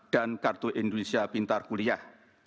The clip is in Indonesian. dan kartu indonesia pintar kuliah